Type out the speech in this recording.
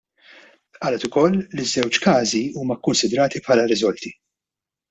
Qalet ukoll li ż-żewġ każi huma kkunsidrati bħala riżolti.